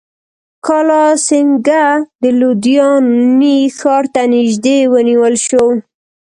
کالاسینګهـ د لودیانې ښار ته نیژدې ونیول شو.